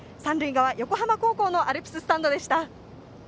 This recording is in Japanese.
側、横浜高校のアルプススタンドでした。